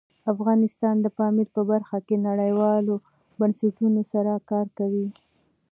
افغانستان د پامیر په برخه کې نړیوالو بنسټونو سره کار کوي.